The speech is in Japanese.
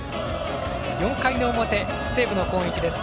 ４回の表、西武の攻撃です。